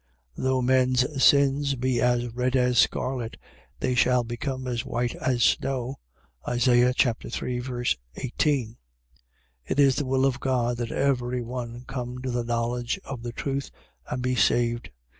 Though men's sins be as red as scarlet, they shall become as white as snow, Isa. 3.18. It is the will of God that every one come to the knowledge of the truth, and be saved.